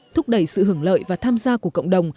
thúc đẩy sự hưởng lợi và tham gia của cộng đồng